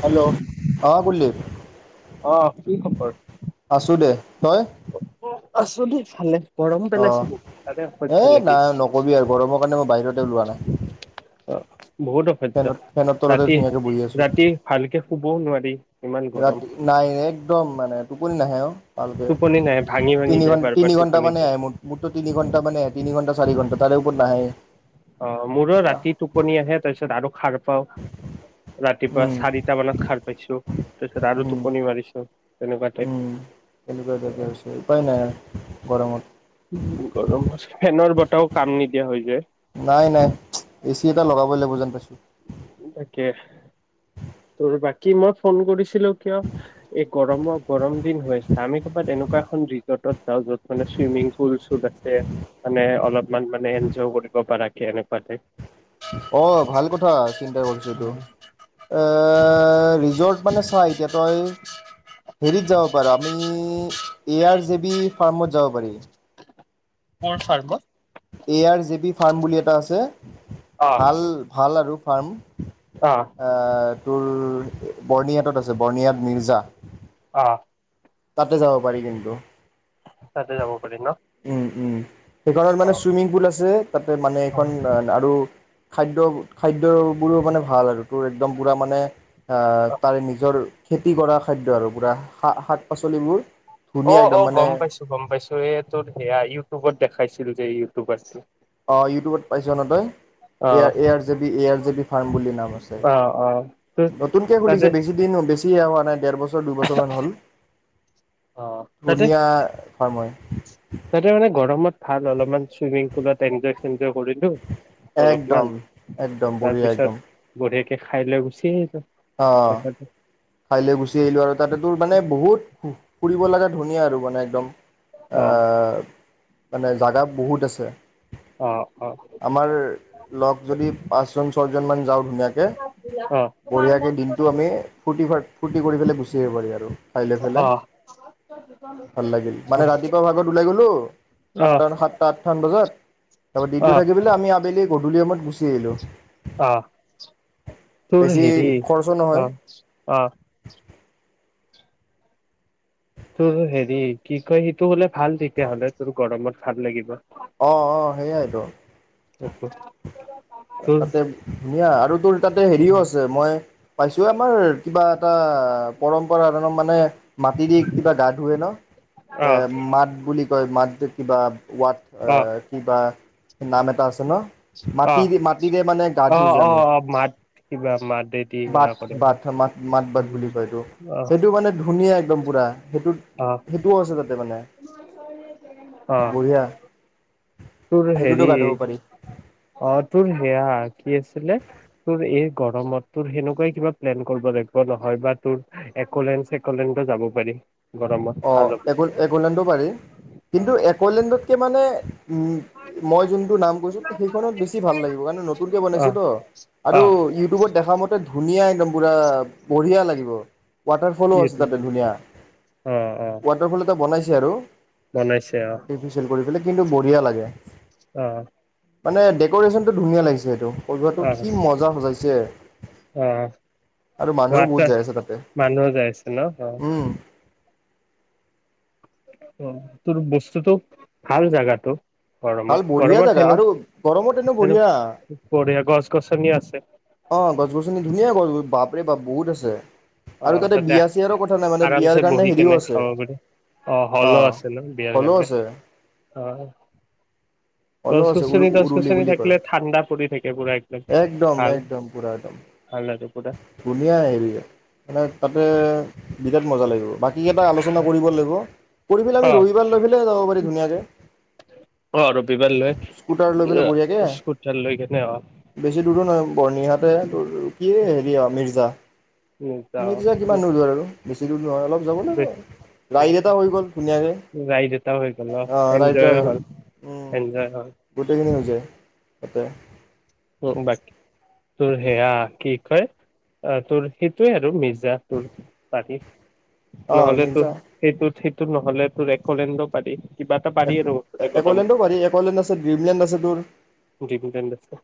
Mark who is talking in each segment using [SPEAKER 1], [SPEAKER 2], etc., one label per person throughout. [SPEAKER 1] Hello
[SPEAKER 2] অ' কুলদীপ
[SPEAKER 1] অ' কি খবৰ?
[SPEAKER 2] আছো দে তই
[SPEAKER 1] আছোঁ দে ভালেই।
[SPEAKER 2] অ, ' এ
[SPEAKER 1] লাগিছে
[SPEAKER 2] নাই নকবি আৰু গৰমৰ কাৰণে মই বাহিৰতে ওলোৱা নাই।
[SPEAKER 1] অ, বহুত অসহ্য।
[SPEAKER 2] ফেনত ফেনৰ তলতে
[SPEAKER 1] ৰাতি,
[SPEAKER 2] ধুনীয়াকে বহি
[SPEAKER 1] ৰাতি ভালকে শুবও নোৱাৰিঁ।
[SPEAKER 2] ৰাত- নাই একদম মানে টোপনি নাহে অ'। ভালকৈ।
[SPEAKER 1] টোপনি নাহে ভাঙি ভাঙি
[SPEAKER 2] তিনি
[SPEAKER 1] যায় বাৰ বাৰ
[SPEAKER 2] ঘন-তিনি ঘণ্টা মানে
[SPEAKER 1] টোপনিটো
[SPEAKER 2] আহে মোৰ, মোৰতো তিনি ঘন্টা মানে আহে, তিনি ঘণ্টা চাৰি ঘণ্টা তাৰে ওপৰত নাহে
[SPEAKER 1] অ', মোৰো ৰাতি টোপনি আহে, তাৰপিছত আৰু খাৰ পাওঁ, ৰাতিপুৱা
[SPEAKER 2] উম
[SPEAKER 1] চাৰিটা মানত খাৰ পাইছোঁ, তাৰপিছত আৰু
[SPEAKER 2] উম
[SPEAKER 1] টোপনি মাৰিছোঁ।
[SPEAKER 2] উম, এনেকুৱা দাগা হৈছে, উপায় নাই আৰ গৰমত।
[SPEAKER 1] এটাও কাম নিদিয়া হৈ যে।
[SPEAKER 2] নাই নাই, এচি এটা লগাবই লাগিব যেন পাইছোঁ।
[SPEAKER 1] কেচ তোৰ বাকী মই ফোন কৰিছ ছিলো কিয় এই গৰমৰ গৰম দিন হৈ আছে, আমি কবাত এনেকুৱা এখন ৰিজৰ্টত যাওঁ, য'ত মানে চুইমিং পুল, চুল আছে। ছে, মানে অলপমান মানে এঞ্জয়ো কৰিব পাৰাকে, এনেকুৱা টাইপ।
[SPEAKER 2] অ', ভাল কথা চিন্তা কৰিছ এইটো, এ এ, ৰিজৰ্ট মানে চা এতিয়া তই হেৰিত যাব পাৰো, আমি এ আৰ জে বি ফাৰ্মত যাব পাৰি।
[SPEAKER 1] কৰ ফাৰ্কত?
[SPEAKER 2] A R J B farm বুলি এটা আছে।
[SPEAKER 1] অ',
[SPEAKER 2] ভাল, ভাল আৰু। ফাৰ্ম।
[SPEAKER 1] অ',
[SPEAKER 2] আ তোৰ বৰ্ণিহাটত আছে, বৰ্ণিহাত মিৰ্জা।
[SPEAKER 1] অ'।
[SPEAKER 2] তাতে যাব পাৰি কিন্তু,
[SPEAKER 1] তাতে যাব পাৰি ন?
[SPEAKER 2] উম উম। সেইখনত মানে
[SPEAKER 1] অ',
[SPEAKER 2] চুইমিং পুল আছে। তাতে মানে এইখন আন আৰু খাদ্য খাদ্যবোৰো মানে ভাল আৰু তোৰ একদম পূৰা মানে, তাৰে নিজৰ খেতি কৰা খাদ্য আৰু পুৰা শা-শাক পাচলি বোৰ
[SPEAKER 1] অ', অ', গম পাইছোঁ, গম পাইছোঁ, এই তোৰ সেয়া ইউটিউবত দেখাইছ লো যে ইউটিউব আছিল।
[SPEAKER 2] অ', ইউটিউবত পাইছ ন তই?
[SPEAKER 1] অ',
[SPEAKER 2] A R, A R J B, A R J B farm বুলি নাম আছে,
[SPEAKER 1] অ', অ', ত
[SPEAKER 2] নতুনকে
[SPEAKER 1] তাতে
[SPEAKER 2] খুলিছে বেছি দিন হ বেছি দিন ছিয়া হোৱা নাই, ডেৰ বছ দুবছৰমান হ'ল,
[SPEAKER 1] অ', তাতে
[SPEAKER 2] ধনীয়া সময়
[SPEAKER 1] তাতে মানে গৰমত ভাল অলপমান চুইমিং পুলত এনটাৰটেন্ট এঞ্জয় কৰিলোঁ
[SPEAKER 2] একদম
[SPEAKER 1] অলপমান,
[SPEAKER 2] একদম বঢ়িয়া
[SPEAKER 1] তাৰপিছত
[SPEAKER 2] একদম
[SPEAKER 1] বঢ়িয়াকে এই খাই লৈ গুচি আহিছোঁ।
[SPEAKER 2] অ', খাইলৈ গুচি আহিলোঁ আৰু তাতে তোৰ মানে বহুত ফুৰিব লাগা ধুনীয়া আৰু মানে একদম।
[SPEAKER 1] অ
[SPEAKER 2] আহ। মানে জাগা বহুত আছে।
[SPEAKER 1] অ অ
[SPEAKER 2] আমাৰ লগ যদি পাঁচজন, ছয়জন মান যাওঁ ধুনীয়াকে
[SPEAKER 1] অ
[SPEAKER 2] বঢ়িয়াকে দিনটো আমি ফূৰ্তি ফাৰ্ত, ফূৰ্তি কৰি পেলাই গুচি আহিব পাৰি আৰু খাই লৈ ফেলে,
[SPEAKER 1] অ
[SPEAKER 2] ভাল লাগিল মানে ৰাতিপুৱা ভাগত ওলাই গ'লোঁ,
[SPEAKER 1] অ
[SPEAKER 2] সাতটা মা, সাতটা, আঠটা টান বজাত তাৰপা
[SPEAKER 1] অ
[SPEAKER 2] দিনটো থাকি পেলে আমি আবেলি গধুলি সময়ত গুচি আহিলোঁ।
[SPEAKER 1] অহ। তোৰ
[SPEAKER 2] বেছি
[SPEAKER 1] হেৰি,
[SPEAKER 2] খৰচো নহয়
[SPEAKER 1] অহ, অহ। তোৰ হেৰি কি কয়, সিটো গ'লে ভাল তেতিয়াহ'লে তোৰ গৰমত ভাল লাগিব।
[SPEAKER 2] ত'
[SPEAKER 1] তোৰ
[SPEAKER 2] তাতে ধুনীয়া আৰু তোৰ তাতে হেৰিও আছে, মই পাইছোঁ, আমাৰ কিবা এটা পৰম্পৰা ধৰ মানে মাটি দি কিবা গা ধুৱে ন?
[SPEAKER 1] অ
[SPEAKER 2] এ মাত বুলি তই মাতটো‌ কিবা
[SPEAKER 1] অ
[SPEAKER 2] ইয়াত কিবা নাম এটা আছ হেল্ল', মাত
[SPEAKER 1] অ
[SPEAKER 2] সেই মাটিৰে মানে গা
[SPEAKER 1] অ
[SPEAKER 2] ধোওঁ যে
[SPEAKER 1] অ
[SPEAKER 2] আামি
[SPEAKER 1] অ মাত কিবা মাত দেদি সেয়া
[SPEAKER 2] বাথ
[SPEAKER 1] কৰে ন।
[SPEAKER 2] বাথ, মাত বাথ বুলি কয় এইটো।
[SPEAKER 1] অ
[SPEAKER 2] সেইটো মানে ধুনীয়া একদম পুৰা সেইটোত,
[SPEAKER 1] অ
[SPEAKER 2] সেইটোও আছে তাতে মানে,
[SPEAKER 1] অ
[SPEAKER 2] বঢ়িয়া।
[SPEAKER 1] তোৰ
[SPEAKER 2] সেইটোতো
[SPEAKER 1] হেৰি,
[SPEAKER 2] গা ধুব পাৰি
[SPEAKER 1] অ তোৰ হেয়া কি আছিলে, তোৰ এই গৰমত তোৰ সেনেকুৱাই কিবা প্লেন কৰিব লাগিব নহয়, বা তোৰ এক'লেণ্ড চেক'লেণ্ডতো যাব পাৰিম।
[SPEAKER 2] অঃ, এগুল এগলেণ্ডো পাৰি। কিন্তু একলেণ্ডতকে মানে উম, মই জোনটো নাম কৈছোঁ সেইখনত বেছি ভাল লাগিব কাৰণ নতুনকৈ
[SPEAKER 1] অ
[SPEAKER 2] বনাইছে তো,
[SPEAKER 1] অ
[SPEAKER 2] আৰু ইউটিউবত দেখা মতে ধুনীয়া একদম পুৰা বঢ়িয়া লাগিব। ৱাটাৰফলো আছে
[SPEAKER 1] এইটো
[SPEAKER 2] তাতে ধুনীয়া।
[SPEAKER 1] অ অ
[SPEAKER 2] ৱাটাৰফল এটা বনাইছ যে আৰু
[SPEAKER 1] বনাইছে অ
[SPEAKER 2] আৰ্টিফিচিয়েল কৰি কিন্তু বঢ়িয়া লাগে।
[SPEAKER 1] অ।
[SPEAKER 2] মানে ডেক'ৰেশ্যন টো ধুনীয়া লাগিছে সেইটো।
[SPEAKER 1] অ
[SPEAKER 2] কি মজা সজাইছে।
[SPEAKER 1] অ,
[SPEAKER 2] আৰু মানুহো বহুত যাই আছে তাতে
[SPEAKER 1] মানুহও যায় আছে ন অ।
[SPEAKER 2] উম
[SPEAKER 1] তোৰ বস্তুটো, ভাল জাগাটো। গৰমত
[SPEAKER 2] ভাল বঢ়িয়া
[SPEAKER 1] গৰমত
[SPEAKER 2] জাগা
[SPEAKER 1] হেনো
[SPEAKER 2] আৰু, গৰমত এনে
[SPEAKER 1] হেনো
[SPEAKER 2] বঢ়িয়া।
[SPEAKER 1] বঢ়িয়া গছ গছনি আছে।
[SPEAKER 2] অ, গছ গছনি ধুনীয়া গছ বাপৰে বাপ বহুত আছে।
[SPEAKER 1] অ,
[SPEAKER 2] আৰু
[SPEAKER 1] তাতে,
[SPEAKER 2] বিয়া চিয়াৰো কথা নাই মানে বিয়াৰ
[SPEAKER 1] আৰামছে
[SPEAKER 2] কাৰণে
[SPEAKER 1] বহি
[SPEAKER 2] হেৰিও
[SPEAKER 1] কেনে
[SPEAKER 2] আছে
[SPEAKER 1] খাব পাৰি। অ, হলো আছে ন বিয়াৰ
[SPEAKER 2] হলো
[SPEAKER 1] কাৰণে,
[SPEAKER 2] আছে
[SPEAKER 1] অ।
[SPEAKER 2] হলো
[SPEAKER 1] গছ
[SPEAKER 2] আছে উ
[SPEAKER 1] গছনি গছ
[SPEAKER 2] উৰুলি
[SPEAKER 1] গছনি
[SPEAKER 2] বুলি কয়
[SPEAKER 1] থাকিলে ঠাণ্ডা পৰি থাকে পুৰা একম,
[SPEAKER 2] একদম
[SPEAKER 1] ভাল,
[SPEAKER 2] একদম পুৰা একদম
[SPEAKER 1] ভাল আৰু। পুৰা
[SPEAKER 2] ধুনীয়া এৰিয়া। মানে তাতে, বিৰাট মজা লাগিব। বাকী এইকেইটা আলোচনা কৰিব লাগিব। কৰি পেলে আমি
[SPEAKER 1] অ
[SPEAKER 2] ৰবিবাৰ লৈ পেলেও যাব পাৰি ধুনীয়াকে।
[SPEAKER 1] অ, ৰবিবাৰ লৈ,
[SPEAKER 2] স্কুটাৰ লৈ পেলাই বঢ়িয়াকে
[SPEAKER 1] স্কুটাৰ লৈ কেনে অ।
[SPEAKER 2] [unintelligible] এ হেৰিয়া মিজা অ।
[SPEAKER 1] যাও
[SPEAKER 2] মিৰ্জা কিমান দূৰ নো আৰু। বেছি দূৰ অলপ যাব লাগে,
[SPEAKER 1] বেছ ভাল
[SPEAKER 2] ৰাইড এটা হৈ গ'ল ধুনীয়াকে।
[SPEAKER 1] ৰাইড এটাও হৈ গ'ল
[SPEAKER 2] অ, ৰাইড এটা
[SPEAKER 1] এনজয়ো
[SPEAKER 2] হৈ গ'ল।
[SPEAKER 1] হ'ল
[SPEAKER 2] উম,
[SPEAKER 1] এনজয় হ'ল
[SPEAKER 2] গোটেইখিনি হৈ যায়। [unintelligible]
[SPEAKER 1] উ বাকী তোৰ সেয়া কি কয় আহ তোৰ সেইটোোৱে আৰু মজ ত পাতিি
[SPEAKER 2] অঁ
[SPEAKER 1] নহলেতো
[SPEAKER 2] মিৰ্জা
[SPEAKER 1] সেইটো ঠিক নহলে তোৰ একলেণ্ড পাৰি কিবা এটা পাৰি আৰু মুঠতে গৰমত
[SPEAKER 2] একলেণ্ডো পাৰি একলেণ্ড আছে ড্ৰিমলেণ্ড আছে তোৰ
[SPEAKER 1] ড্ৰিমলেণ্ড আছে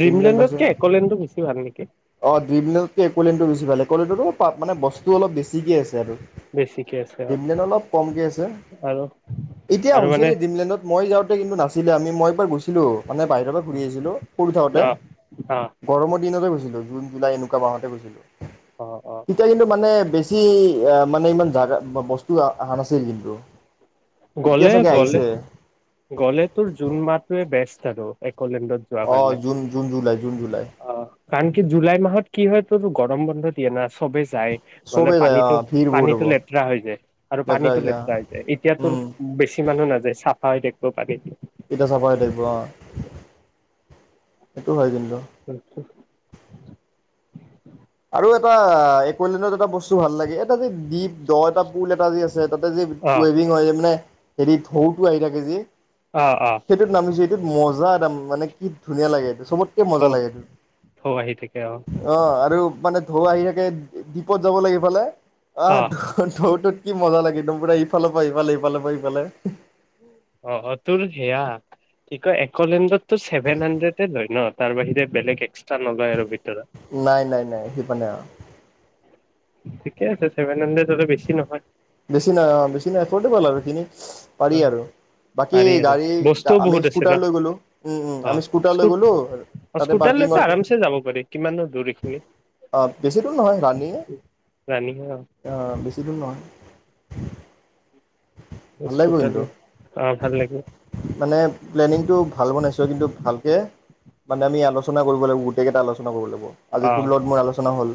[SPEAKER 2] ড্ৰিমলেণ্ড আছে
[SPEAKER 1] একলেণ্ডো বেছি ভাল নেকি
[SPEAKER 2] অঁ ড্ৰিমলেণ্ডকে এক'লেণ্ডটো বেছি ভাল একক'লেণ্ডতো পাত মানে বস্তু অলপ বেছিকৈ আছে আৰু
[SPEAKER 1] বেছিকে আছে আৰু
[SPEAKER 2] ড্ৰিমলেণ্ড অলপ কমকৈ আছে
[SPEAKER 1] আৰু
[SPEAKER 2] এতিয়া হৈছে
[SPEAKER 1] মানে
[SPEAKER 2] নে ডিমলেণ্ডত মই যাওঁতে কিন্তু নাছিলা আমি মই এইবাৰ গৈছিলোঁ মানে বাহিৰৰ পৰা ঘূৰি আহিছিলোঁ সৰু থাওঁতে
[SPEAKER 1] অ অ
[SPEAKER 2] গৰমৰ দিনতে গ জুন জুলাই এনেকুৱা মাহতে গৈছিলো
[SPEAKER 1] অ অ
[SPEAKER 2] তেতিয়া কিন্তু মানে বেছি মানে ইমান জা বস্তু অহা নাছিল কিন্তু এতিয়া
[SPEAKER 1] গ'লে
[SPEAKER 2] চাগে
[SPEAKER 1] গ'লে
[SPEAKER 2] আহিছে
[SPEAKER 1] গ'লে তোৰ জোন মাহটোৱে বেস এক
[SPEAKER 2] অ June June July June July
[SPEAKER 1] অ কাৰণ কি জুলাই মাহত কি হয় তোৰ গৰম বন্ধ দিয়ে না চবে যাই গলে
[SPEAKER 2] চবেই যায়
[SPEAKER 1] পানীতো
[SPEAKER 2] অঁ ভিৰ বহুত হ'ব
[SPEAKER 1] পানীতো লেতেৰা হৈ যায় আৰু পানীতো লেতেৰা হৈ যায় এতিয়াাতোৰ
[SPEAKER 2] উম
[SPEAKER 1] বেছি মানুহ নাযায় চফ হয় দেখিব পাকে
[SPEAKER 2] পতিতা চাপ থাকিব অ সেইটো হয় কিন্তু
[SPEAKER 1] আচছা [unintelligible]
[SPEAKER 2] আৰু এটা কলাণত এটা বস্তু ভাল লাগে এটা যেি দ্বীপ দ এটা পোুল এটা যি আছে তাতে যে
[SPEAKER 1] অ
[SPEAKER 2] ৱভিং হয় মানে হেৰি ঢৌটো আহি থাকে যে
[SPEAKER 1] অ অ
[SPEAKER 2] সেইটোত নামিছে এইটোত মজা দাম মানে কি ধুনীয়া লাগে এইটো চবতকে
[SPEAKER 1] থৌ
[SPEAKER 2] মজা লাগেোৰ
[SPEAKER 1] থৌ আহি থাকে
[SPEAKER 2] অ আৰু মানে ঢৌ আহি থাকে দ্বীপত যাব লাগেফালে আহ
[SPEAKER 1] অ
[SPEAKER 2] ঢৌটোত কি মজা লাগে, একদম পুৰা ইফালৰ পৰা সিফালে, সিফালৰ পৰা ইফালে
[SPEAKER 1] অ' তোৰ সেয়া, কি কয় একলেণ্ডতটো ছেভেন হাণ্ড্ৰেডে লয় ন, তাৰ বাহিৰে বেলেগ এক
[SPEAKER 2] নাই-নাই-নাই, সিপিনে আও
[SPEAKER 1] ঠিকে আছে ছেভেন হাড্ৰেড যদি বেছি নহয়।
[SPEAKER 2] বেছি নাই, অ' বেছি নাই [unintelligible] পাৰি আৰু। বাকী
[SPEAKER 1] পাৰি আৰু
[SPEAKER 2] গাড়ী
[SPEAKER 1] বস্তুও
[SPEAKER 2] আমি
[SPEAKER 1] বহুত আছে
[SPEAKER 2] স্কুটাৰ
[SPEAKER 1] ন
[SPEAKER 2] লৈ গলো, উম-উম
[SPEAKER 1] অ
[SPEAKER 2] আমি স্কুটাৰ লৈ
[SPEAKER 1] স্কু
[SPEAKER 2] গলোঁ, তাতে
[SPEAKER 1] স্কুটাৰ লৈতো
[SPEAKER 2] পাৰ্কিঙৰ,
[SPEAKER 1] আৰামছে যাব পাৰি কিমানো দূৰ এইখিনি
[SPEAKER 2] অ বেছি দূৰ নহয়, ৰাণী হে,
[SPEAKER 1] জানি
[SPEAKER 2] অ বেছি দূৰ নহয়। ভাল লাগিব
[SPEAKER 1] স্কুটাৰ
[SPEAKER 2] কিন্তু,
[SPEAKER 1] লৈ অ ভাল লাগিব
[SPEAKER 2] মানে প্লেনিংটো ভাল বনাইছোঁ, কিন্তু ভালকে মানে আমি আলোচনা কৰিব লাগিব, গোটেকেইটা আলোচনা কৰিব লাগিব। ব, আজি
[SPEAKER 1] অ
[SPEAKER 2] তোৰ লগত মোৰ আলোচনা হ'ল,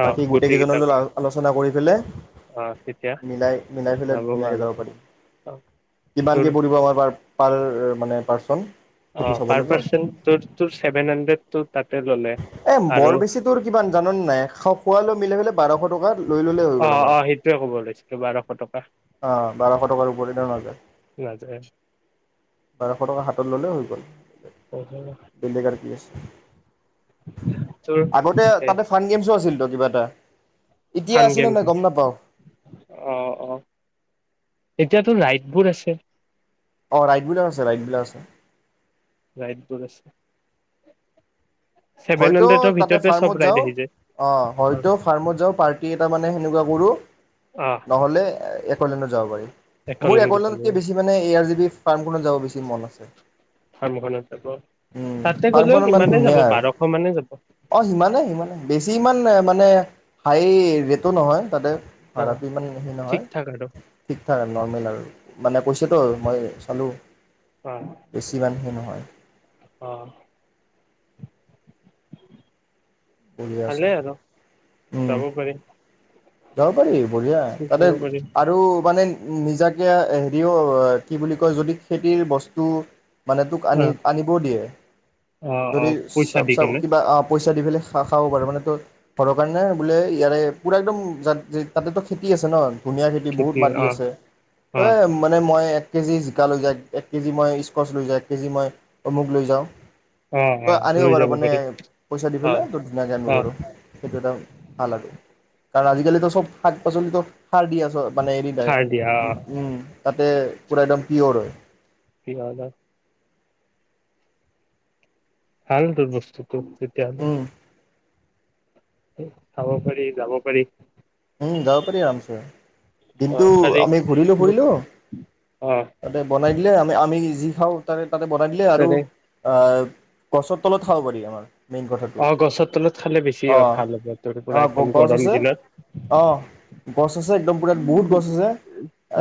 [SPEAKER 1] অ
[SPEAKER 2] বাকী
[SPEAKER 1] গোটেই
[SPEAKER 2] গোটেইকেইজনৰ
[SPEAKER 1] কেইটা
[SPEAKER 2] লগত
[SPEAKER 1] গ'ল
[SPEAKER 2] আলো, আলোচনা কৰি পেলে
[SPEAKER 1] অ তেতিয়া
[SPEAKER 2] মিলাই মিলাই ফেলে
[SPEAKER 1] ভাল
[SPEAKER 2] ধুনীয়াকে যাব
[SPEAKER 1] হ'ব
[SPEAKER 2] পাৰিম,
[SPEAKER 1] অ
[SPEAKER 2] কিমান
[SPEAKER 1] তোৰ
[SPEAKER 2] কে পৰিব আমাৰ পাৰ পাৰ মানে পাৰ্চন সেইটো
[SPEAKER 1] অ',
[SPEAKER 2] চাব
[SPEAKER 1] পাৰ
[SPEAKER 2] লাগিব
[SPEAKER 1] পাৰ্চন তোৰ তো, ছেভেন হাণ্ড্ৰেড তো তাক
[SPEAKER 2] এ বৰ বেছি তোৰ কিমান জাননে নাই এ খো খোৱ লৈ মিলাই ফেলে বাৰশ টকা লৈ ল'লে হৈ
[SPEAKER 1] অ
[SPEAKER 2] গ'ল আমাৰ,
[SPEAKER 1] অ সেইটোৱে ক'ব লৈছিলো বাৰশ টকা
[SPEAKER 2] আহ বাৰশ টকাৰ ওপৰোত এনেও নাযায়,
[SPEAKER 1] নাযায়
[SPEAKER 2] বাৰশ টকা হাতত ল'লে হৈ গ'ল। বেলেগ আৰু কি আছে?
[SPEAKER 1] তোৰ
[SPEAKER 2] আগতে
[SPEAKER 1] এই
[SPEAKER 2] তাতে ফান গেমছো আছিল তো। কিবা এটা এতিয়া
[SPEAKER 1] ফান
[SPEAKER 2] আছেনে
[SPEAKER 1] গেম
[SPEAKER 2] নাই গম নাপাওঁ।
[SPEAKER 1] অ অ এতিয়াতো ৰাইডবোৰ আছে।
[SPEAKER 2] অ', ৰাইডবোৰো আছে, ৰাইডবিলাক আছে।
[SPEAKER 1] ৰাইডবোৰ আছে। ছেভেন
[SPEAKER 2] হয়তো
[SPEAKER 1] হাণ্ড্ৰেডৰ
[SPEAKER 2] তাতে
[SPEAKER 1] ভিতৰতে চব
[SPEAKER 2] ফাৰ্মত
[SPEAKER 1] ৰাইড
[SPEAKER 2] যাওঁ,
[SPEAKER 1] আহি যায়
[SPEAKER 2] অ', হয়তো ফাৰ্মত যাওঁ পাৰ্টি এটা মানে সেনেকুৱা মোৰো
[SPEAKER 1] অ
[SPEAKER 2] নহ'লে একলেনত যাব পাৰি, মোৰ
[SPEAKER 1] একলেণ্ডত যাব
[SPEAKER 2] একলেনতকে বেছি মানে এ আৰ জি বি ফাৰ্মখনত যাব বেছি মন আছে,
[SPEAKER 1] ফাৰ্মখনত যাব
[SPEAKER 2] উম
[SPEAKER 1] তাতে গ'লেও
[SPEAKER 2] ফাৰ্মখন ইমান
[SPEAKER 1] সিমানে যাব
[SPEAKER 2] ধুনীয়া।
[SPEAKER 1] বাৰশ মানে যাব
[SPEAKER 2] অ', সিমানেই, সিমানে বেছি ইমান মানে হাই ৰেটো নহয় তাতে।
[SPEAKER 1] অ
[SPEAKER 2] ভাড়াটো ইমান বেছি
[SPEAKER 1] ঠিক
[SPEAKER 2] নহয়,
[SPEAKER 1] ঠাক আৰু
[SPEAKER 2] ঠিক ঠাক আৰু নৰ্মেল আৰু মানে পইচাটো মই হেল্ল'
[SPEAKER 1] অ
[SPEAKER 2] বেছি ইমান সেই নহয়। হয়।
[SPEAKER 1] অ'।
[SPEAKER 2] বঢ়িয়া আছে
[SPEAKER 1] ভালে আৰু
[SPEAKER 2] উম
[SPEAKER 1] যাব পাৰি।
[SPEAKER 2] যাব পাৰি বঢ়িয়া, তাতে
[SPEAKER 1] পাৰিম
[SPEAKER 2] আৰু মানে নিজাকে হেৰিও, কি বুলি কয় যদি খেতিৰ বস্তু মানে তোক আনি,
[SPEAKER 1] অ
[SPEAKER 2] আনিবও দিয়ে,
[SPEAKER 1] অ অ
[SPEAKER 2] যদি
[SPEAKER 1] পইচা দি
[SPEAKER 2] চা-চাব
[SPEAKER 1] কেনে
[SPEAKER 2] কিবা পইচা পইচা দি ফেলে খা-খাব পাৰ, মানে তই ঘৰৰ কাৰণে বোলে ইয়াৰে পুৰা একদম যাত-যে তাতে টো খেতি আছে ন। ধুনীয়া খেতি বহুত মাতি আছে,
[SPEAKER 1] অ
[SPEAKER 2] ত' মানে মই এক এক কেজি জিকা লৈ যাওঁ, এক কেজি মই স্কচ লৈ যাওঁ, এক কেজি মই অমুক লৈ যাওঁ
[SPEAKER 1] অ অ
[SPEAKER 2] তই আনিব
[SPEAKER 1] লৈ
[SPEAKER 2] পাৰ,
[SPEAKER 1] যাব
[SPEAKER 2] মানে
[SPEAKER 1] পাৰি
[SPEAKER 2] পইচা দি
[SPEAKER 1] অ
[SPEAKER 2] পেলাই হয় ধুনীয়াকৈ আনিব
[SPEAKER 1] অ
[SPEAKER 2] পাৰ, সেইটো এটা ভাল আৰু আৰ আজিকালিতো সব শাক পাচলিতো সাৰ দি আছ,
[SPEAKER 1] সাৰ দিয়া
[SPEAKER 2] [unintelligible] তে পূৰা একদম পিয়'ৰ হয়।
[SPEAKER 1] [inaudible] ভাল তোৰ বস্তু তেতিয়া হলে
[SPEAKER 2] উম
[SPEAKER 1] চাব পাৰি, যাব পাৰি
[SPEAKER 2] উম যাব পাৰি আৰামছে
[SPEAKER 1] অ
[SPEAKER 2] দিনটো
[SPEAKER 1] খালি
[SPEAKER 2] আমি ঘূৰিলো ফুৰিলো
[SPEAKER 1] অ
[SPEAKER 2] তাতে বনাই। দিলে, আমি আমি যি খাওঁ তাকে তাতে বনাই দিলে, আৰু
[SPEAKER 1] তাৰে
[SPEAKER 2] অ' গছৰ তলত খাব পাৰি আমাৰ। মেইন কথাটো
[SPEAKER 1] অ, গছৰ তলত খালে বেছি
[SPEAKER 2] অ
[SPEAKER 1] ভাল হ'ব তোৰ
[SPEAKER 2] অ'
[SPEAKER 1] পুৰা একদম
[SPEAKER 2] গছ
[SPEAKER 1] গৰম
[SPEAKER 2] আছে
[SPEAKER 1] দিনত।
[SPEAKER 2] অ, গছ আছে, একদম পুৰা বহুত গছ আছে,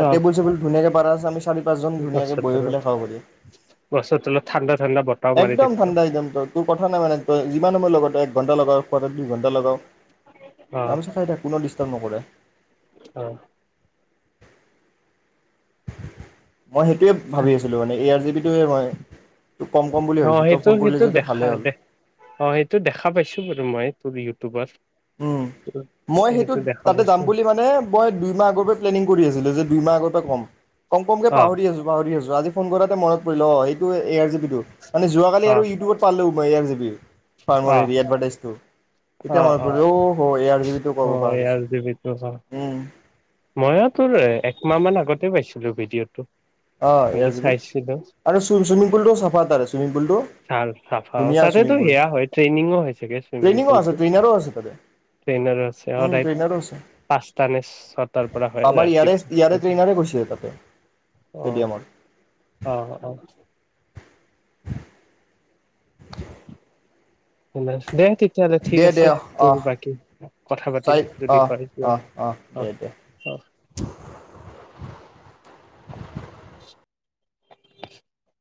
[SPEAKER 1] অ
[SPEAKER 2] টেবুল চেবুল ধুনীয়াকে পাৰা আছে চাৰি পাঁচজন ধুনীয়াকে
[SPEAKER 1] গছৰ
[SPEAKER 2] বহি
[SPEAKER 1] তলত
[SPEAKER 2] পেলাই খাব পাৰি।
[SPEAKER 1] গছৰ তলত ঠাণ্ডা ঠাণ্ডা বতাহ মাৰি
[SPEAKER 2] একদম
[SPEAKER 1] থাকিব
[SPEAKER 2] ঠাণ্ডা একদম তোৰ, তোৰ কথা [unintelligible] যিমান সময় লগত এক ঘণ্টা লগাওঁ [unintelligible] দুই ঘণ্টা লগাৱ
[SPEAKER 1] অ
[SPEAKER 2] আৰামছে খাই থাকো ন ডিচ [unintelligible] নকৰে।
[SPEAKER 1] অ।
[SPEAKER 2] মই সেইটোৱে ভাবি আছিলোঁ মানে এ আৰ জি বি টোৱে [unintelligible]
[SPEAKER 1] অ' সেইটো সেইটো দেখা
[SPEAKER 2] ভালেই হ'ল।
[SPEAKER 1] দে অ সেইটো দেখা পাইছো বাৰু মই ইউ টুবত।
[SPEAKER 2] উম মই সেইটো তাতে যাম
[SPEAKER 1] পাইছো
[SPEAKER 2] বুলি মানে মই দুইমাহ আগৰ পৰাই প্লেনিং কৰি আছিলো যে দুইমাহ আগত [unintelligible] কম কম কমকে
[SPEAKER 1] অ
[SPEAKER 2] পাহৰি আছো পাহৰি আছো আজি ফোন কৰাতে মনত পৰিল অ। তোৰ এ আৰ জি পি টো মানে যোৱাকালি
[SPEAKER 1] অ
[SPEAKER 2] আৰু ইউটিউবত পালোও মই এয় আৰ জি বি
[SPEAKER 1] অ
[SPEAKER 2] ৰ্ফামৰ হেৰি এডভাৰটাইজ। অ [unintelligible]
[SPEAKER 1] অ' অ'
[SPEAKER 2] অ [unintelligible] ক'ব
[SPEAKER 1] অ
[SPEAKER 2] পাহৰিছোঁ
[SPEAKER 1] ইয়াৰ দিবি তো হা
[SPEAKER 2] উম
[SPEAKER 1] মই তোৰ একমাহ মান আগতে পাইছিলো ভিডিঅ'তটো।
[SPEAKER 2] অঁ এ আৰ জি পি
[SPEAKER 1] চাইছিলো
[SPEAKER 2] আৰু চুইমিং পুলটো চাফা তাৰে চুইমিং পুলটো
[SPEAKER 1] চ চাফা
[SPEAKER 2] ধুনীয়া চুইমিং
[SPEAKER 1] তাতেতো
[SPEAKER 2] পুল
[SPEAKER 1] সেয়া হয় ট্ৰেইনিংও হৈছেগে চুইমিং
[SPEAKER 2] ট্ৰেইনিঙো
[SPEAKER 1] পুলত
[SPEAKER 2] আছে ট্ৰেইনাৰো আছে তাতে
[SPEAKER 1] ট্ৰেইনাৰ আছে
[SPEAKER 2] উম
[SPEAKER 1] সদায়
[SPEAKER 2] ট্ৰেইনাৰো আছে
[SPEAKER 1] পাঁচটানে ছয়
[SPEAKER 2] আমাৰ ইয়াৰে ইয়াৰে ট্ৰেইনাৰে গৈছিলে তাতে।
[SPEAKER 1] অ
[SPEAKER 2] ষ্টেডিয়ামত।
[SPEAKER 1] অ', অ'। [inaudible] দে, তেতিয়াহ'লে ঠিক
[SPEAKER 2] দে দে
[SPEAKER 1] আছে। তোৰ
[SPEAKER 2] অহ
[SPEAKER 1] বাকী কথা পাতিম
[SPEAKER 2] চাৰি
[SPEAKER 1] যদি
[SPEAKER 2] অ',
[SPEAKER 1] হয় যোৱা।
[SPEAKER 2] অ', অ',
[SPEAKER 1] অহ,
[SPEAKER 2] দে দে।
[SPEAKER 1] অহ। [inaudible] [inaudible]